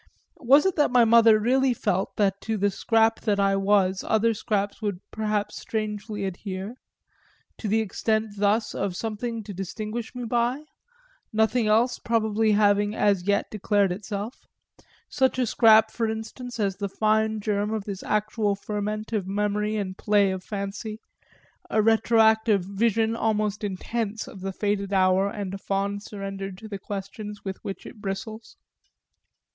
Was it that my mother really felt that to the scrap that I was other scraps would perhaps strangely adhere, to the extent thus of something to distinguish me by, nothing else probably having as yet declared itself such a scrap for instance as the fine germ of this actual ferment of memory and play of fancy, a retroactive vision almost intense of the faded hour and a fond surrender to the questions with which it bristles?